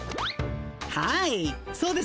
はいそうです。